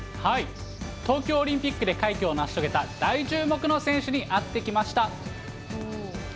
東京オリンピックで快挙を成し遂げた、大注目の選手に会ってきました。